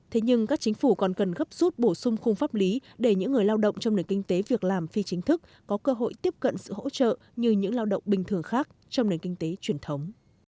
thế nhưng các chính phủ còn cần gấp rút bổ sung khung pháp lý để những người lao động trong nền kinh tế việc làm phi chính thức có cơ hội tiếp cận sự hỗ trợ như những lao động bình thường khác trong nền kinh tế truyền thống